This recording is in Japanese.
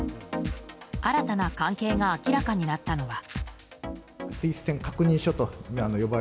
新たな関係が明らかになったのは。